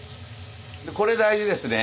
これ大事ですね。